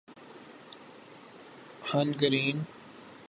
Hungarian